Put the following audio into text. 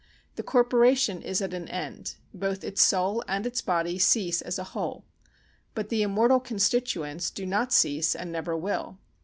The corporation is at an end, both its soul and its body cease as a whole, but the immortal constituents do not cease and never will.